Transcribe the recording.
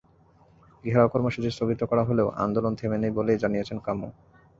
ঘেরাও কর্মসূচি স্থগিত করা হলেও আন্দোলন থেমে নেই বলেই জানিয়েছেন কামু।